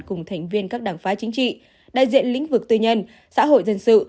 cùng thành viên các đảng phái chính trị đại diện lĩnh vực tư nhân xã hội dân sự